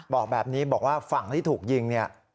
บอกแบบนี้ฝั่งที่ถูกยิง